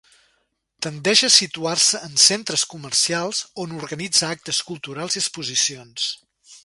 Tendeix a situar-se en centres comercials, on organitza actes culturals i exposicions.